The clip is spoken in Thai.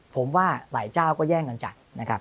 ผมว่าหลายเจ้าก็แย่งกันจัด